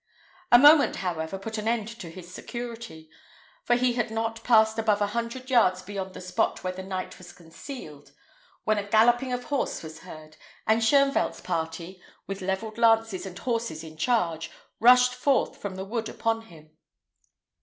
A moment, however, put an end to his security; for he had not passed above a hundred yards beyond the spot where the knight was concealed, when a galloping of horse was heard, and Shoenvelt's party, with levelled lances and horses in charge, rushed forth from the wood upon him.